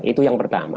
itu yang pertama